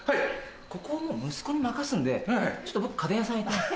ここはもう息子に任すんでちょっと僕家電屋さんへ行きます。